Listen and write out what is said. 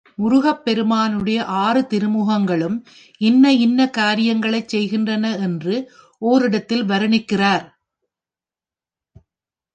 முருகப் பெருமானுடைய ஆறு திருமுகங்களும் இன்ன இன்ன காரியங்களைச் செய்கின்றன என்று ஒரிடத்தில் வருணிக்கிறார்.